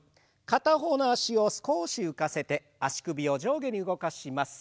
片方の脚を少し浮かせて足首を上下に動かします。